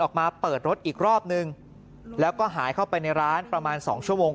ออกมาเปิดรถอีกรอบนึงแล้วก็หายเข้าไปในร้านประมาณสองชั่วโมง